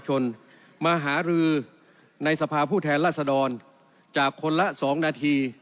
ชนมาหารือในสภาพผู้แทนรัศดรจากคนละ๒นาที